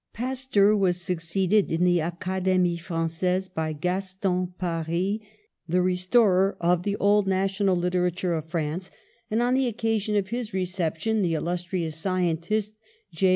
'^ Pasteur was succeeded in the Academie Frangaise by Gaston Paris, the restorer of the 148 PASTEUR old national literature of France; and on the occasion of his reception the illustrious scientist, J.